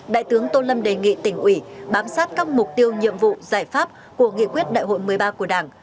đại tướng tô lâm đề nghị tỉnh ủy bám sát các mục tiêu nhiệm vụ giải pháp của nghị quyết đại hội một mươi ba của đảng